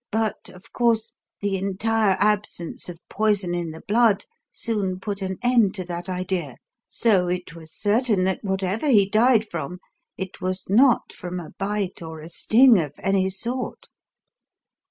But, of course, the entire absence of poison in the blood soon put an end to that idea, so it was certain that whatever he died from, it was not from a bite or a sting of any sort."